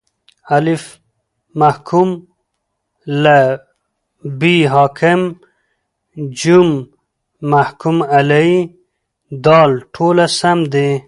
الف: محکوم له ب: حاکم ج: محکوم علیه د: ټوله سم دي